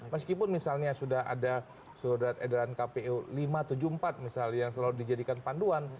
meskipun misalnya sudah ada surat edaran kpu lima ratus tujuh puluh empat misalnya yang selalu dijadikan panduan